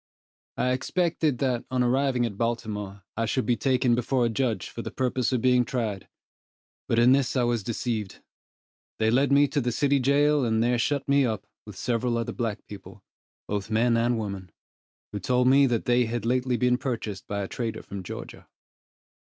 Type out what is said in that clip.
I expected that, on arriving at Baltimore, I should be taken before a judge for the purpose of being tried, but in this I was deceived. They led me to the city jail, and there shut me up, with several other black people, both men and women, who told me that they had lately been purchased by a trader from Georgia.